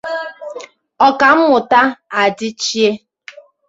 Ọkammụta Adịchie